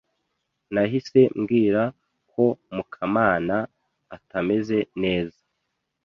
Nahise mbwira ko Mukamana atameze neza.